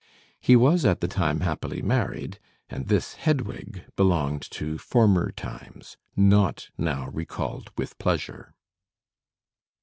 He was at the time happily married, and this Hedwig belonged to former times, not now recalled with pleasure.